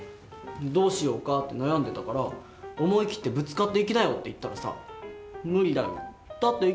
どうしようかって悩んでたから「思い切ってぶつかっていきなよ」って言ったらさ「無理だよだってイケメンなんだもん」って。